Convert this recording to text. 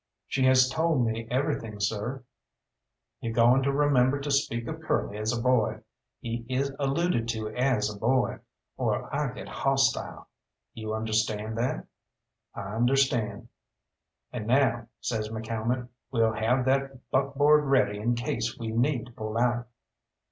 "She has told me everything, sir." "Yo' goin' to remember to speak of Curly as a boy. He is allooded to as a boy, or I get hawstile. You understand that?" "I understand." "And now," says McCalmont, "we'll have that buckboard ready in case we need to pull out."